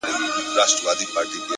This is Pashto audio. د بدلون لپاره نن کافي دی،